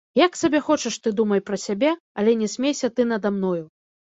Як сабе хочаш ты думай пра сябе, але не смейся ты нада мною.